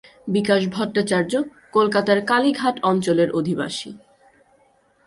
বিকাশ ভট্টাচার্য কলকাতার কালীঘাট অঞ্চলের অধিবাসী।